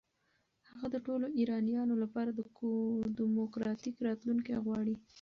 هغه د ټولو ایرانیانو لپاره دموکراتیک راتلونکی غواړي.